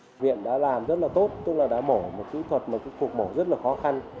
bệnh viện đã làm rất là tốt tức là đã mổ một kỹ thuật một cục mổ rất là khó khăn